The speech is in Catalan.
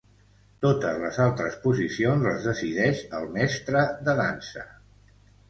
Totes les altres posicions les decideix el mestre de dansa.